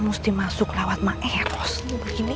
musti masuk lawat maher ros begini